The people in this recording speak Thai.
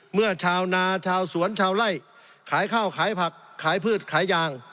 เมื่อชาวนาชาวสวนชาวไล่ขายข้าวขายผักขายพืชขายยาง